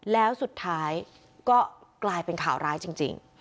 แล้วสุดท้ายก็กลายเป็นข่าวร้ายจริง